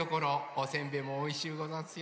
おせんべいもおいしゅうござんすよ。